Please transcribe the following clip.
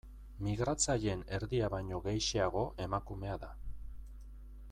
Migratzaileen erdia baino gehixeago emakumea da.